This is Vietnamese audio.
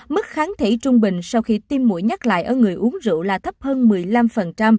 mức kháng thể trung bình sau khi tiêm mũi nhắc lại ở người uống rượu là thấp hơn một mươi năm